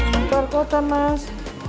keluar kota mas